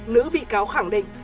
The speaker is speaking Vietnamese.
nữ bị cáo khẳng định